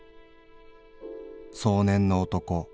壮年の男。